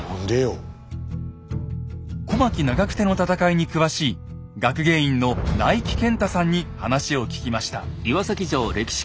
小牧・長久手の戦いに詳しい学芸員の内貴健太さんに話を聞きました。